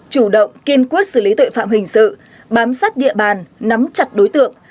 chủ động kiên quyết xử lý tội phạm hình sự bám sát địa bàn nắm chặt đối tượng